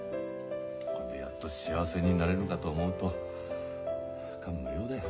これでやっと幸せになれるかと思うと感無量だよ。